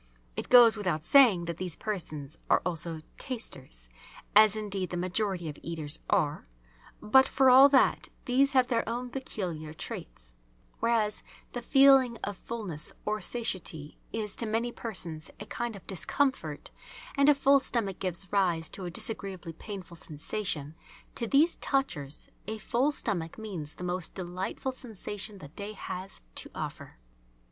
It goes without saying that these persons are also "tasters," as indeed the majority of eaters are. But for all that, these have their own peculiar traits; whereas the feeling of fullness or satiety is to many persons a kind of discomfort, and a full stomach gives rise to a disagreeably painful sensation, to these "touchers" a full stomach means the most delightful sensation the day has to offer.